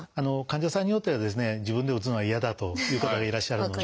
患者さんによっては自分で打つのは嫌だという方がいらっしゃるので。